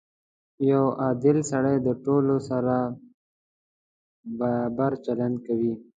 • یو عادل سړی د ټولو سره برابر چلند کوي.